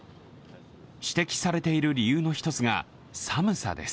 指摘されている理由の１つが寒さです。